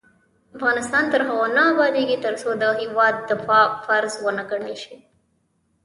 افغانستان تر هغو نه ابادیږي، ترڅو د هیواد دفاع فرض ونه ګڼل شي.